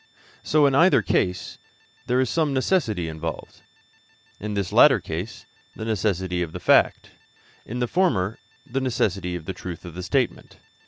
So, in either case, there is some necessity involved in this latter case, the necessity of the fact; in the former, of the truth of the statement.